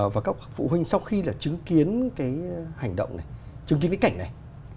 và các bậc phụ huynh sau khi là chứng kiến cái hành động này chứng kiến cái cảnh này